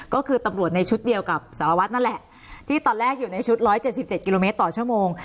ก็คือตำรวจในชุดเดียวกับสาววัดนั่นแหละที่ตอนแรกอยู่ในชุดร้อยเจ็ดสิบเจ็ดกิโลเมตรต่อชั่วโมง